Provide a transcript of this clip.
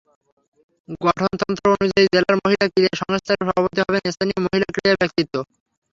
গঠনতন্ত্র অনুযায়ী জেলার মহিলা ক্রীড়া সংস্থার সভাপতি হবেন স্থানীয় মহিলা ক্রীড়া ব্যক্তিত্ব।